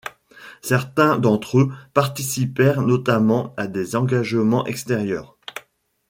Certains d'entre eux participèrent notamment à des engagements extérieurs.